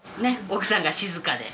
奥さんが静かで。